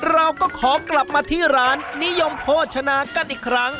เราก็ขอกลับมาที่ร้านนิยมโภชนากันอีกครั้ง